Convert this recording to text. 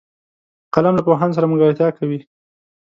قلم له پوهانو سره ملګرتیا کوي